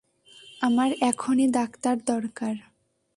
আমার এখনই ডাক্তার দরকার।